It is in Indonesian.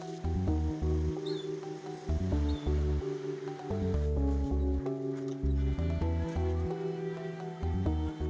anak anaknya berada di kota yang terkenal